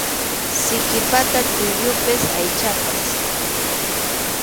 Siki pata tullupas aychapas.